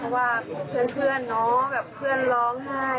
เพราะว่าเพื่อนเนาะแบบเพื่อนร้องไห้